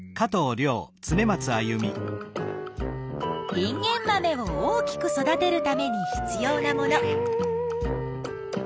インゲンマメを大きく育てるために必要なもの。